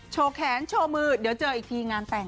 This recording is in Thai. แขนโชว์มือเดี๋ยวเจออีกทีงานแต่ง